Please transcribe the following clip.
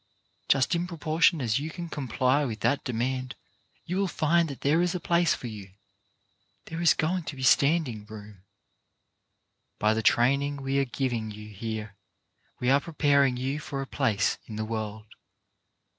Just in proportion as you can comply with that de mand you will find that there is a place for you — there is going to be standing room. By the train ing we are giving you here we are preparing you for a place in the world.